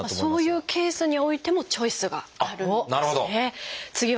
そういうケースにおいてもチョイスがあるんですね。